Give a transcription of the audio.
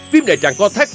viêm đại tràng cotac